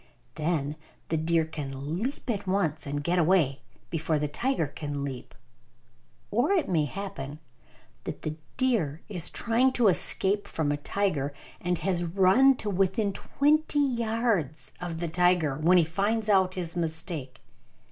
Then the deer can leap at once and get away, before the tiger can leap. Or it may happen that the deer is trying to escape from a tiger and has run to within twenty yards of the tiger, when he finds out his mistake.